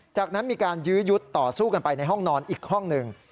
จากนั้นมีการยื้อยุดต่อสู้กันไปในห้องนอนอีกห้องหนึ่ง